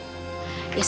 nah butuh nemuis